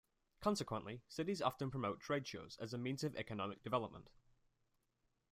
Consequently, cities often promote trade shows as a means of economic development.